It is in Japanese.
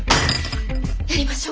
やりましょう。